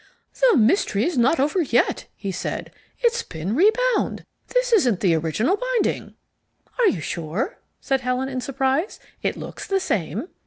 "The mystery's not over yet," he said. "It's been rebound. This isn't the original binding." "Are you sure?" said Helen in surprise. "It looks the same."